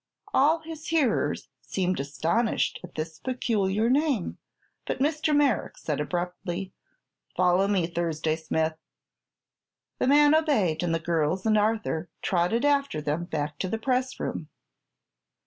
All his hearers seemed astonished at this peculiar name, but Mr. Merrick said abruptly: "Follow me, Thursday Smith." The man obeyed, and the girls and Arthur trotted after them back to the pressroom.